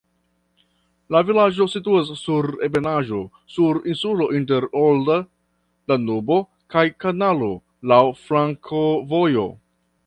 La vilaĝo situas sur ebenaĵo, sur insulo inter olda Danubo kaj kanalo, laŭ flankovojoj.